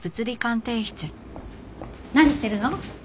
何してるの？